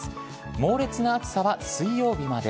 猛烈な暑さは水曜日まで。